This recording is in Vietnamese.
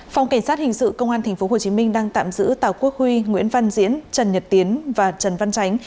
phòng cảnh sát hình sự công an tp hcm đang tạm giữ tàu quốc huy nguyễn văn diễn trần nhật tiến và trần văn tránh